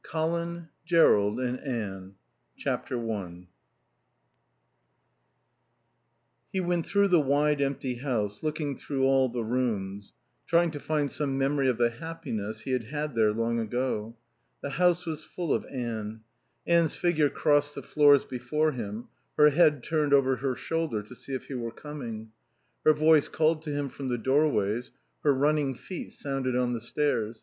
XII COLIN, JERROLD, AND ANNE i He went through the wide empty house, looking through all the rooms, trying to find some memory of the happiness he had had there long ago. The house was full of Anne. Anne's figure crossed the floors before him, her head turned over her shoulder to see if he were coming; her voice called to him from the doorways, her running feet sounded on the stairs.